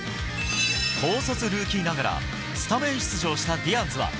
高卒ルーキーながら、スタメン出場したディアンズは。